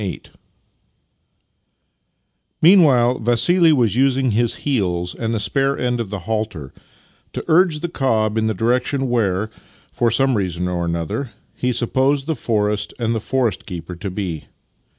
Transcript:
VIII Meanwhile Vassili was using his heels and the spare end of the halter to urge the cob in the direction where, for some reason or another, he supposed the forest and the forest keeper to be.